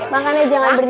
makannya jangan berdiri